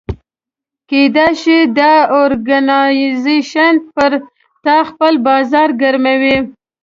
کېدای شي دا اورګنایزیش پر تا خپل بازار ګرموي.